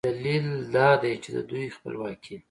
دلیل دا دی چې د دوی خپلواکي